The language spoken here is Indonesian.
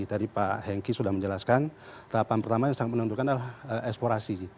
tadi pak hengki sudah menjelaskan tahapan pertama yang sangat menentukan adalah eksplorasi